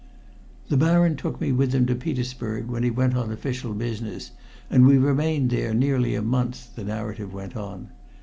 "The Baron took me with him to Petersburg when he went on official business, and we remained there nearly a month," the narrative went on.